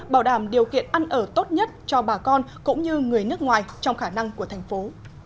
bảo đảm điều kiện ăn ở tốt nhất cho bà con cũng như người nước ngoài trong khả năng của thành phố